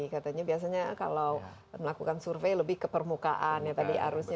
katanya biasanya kalau melakukan survei lebih ke permukaan ya tadi arusnya